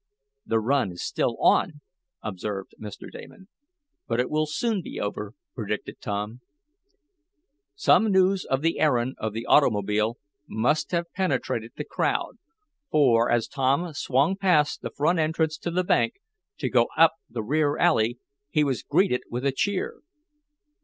"The run is still on," observed Mr. Damon. "But it will soon be over," predicted Tom. Some news of the errand of the automobile must have penetrated the crowd, for as Tom swung past the front entrance to the bank, to go up the rear alley, he was greeted with a cheer.